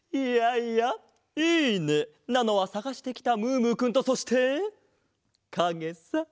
いやいや「いいね！」なのはさがしてきたムームーくんとそしてかげさ。